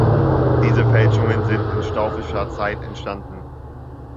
Diese Fälschungen sind in staufischer Zeit entstanden.